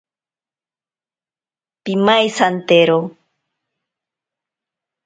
Pimaisantero.